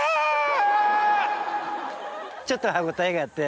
ちょっと歯応えがあって。